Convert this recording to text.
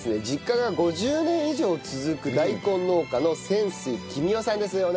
実家が５０年以上続く大根農家の泉水君代さんです。